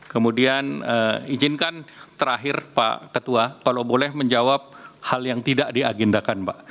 kemudian izinkan terakhir pak ketua kalau boleh menjawab hal yang tidak diagendakan pak